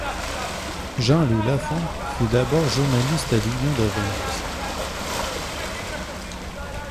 Jean-Loup Lafont fut d'abord journaliste à l'Union de Reims.